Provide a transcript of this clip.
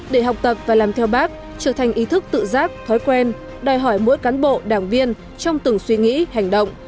để học tập và làm theo bác trở thành ý thức tự giác thói quen đòi hỏi mỗi cán bộ đảng viên trong từng suy nghĩ hành động